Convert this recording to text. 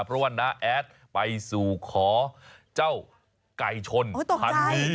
เพราะว่าน้าแอดไปสู่ขอเจ้าไก่ชนพันนี้